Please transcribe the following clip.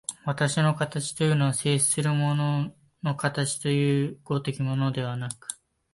私の形というのは、静止する物の形という如きものをいうのでなく、